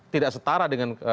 tidak setara dengan